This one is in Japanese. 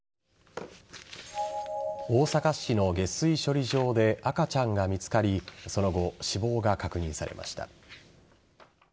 大阪市の下水処理場で赤ちゃんが見つかりその後、死亡が確認されました。